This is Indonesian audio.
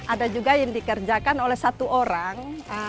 ada juga yang dikerjakan oleh satu orang